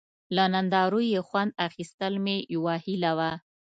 له نندارو یې خوند اخیستل مې یوه هیله وه.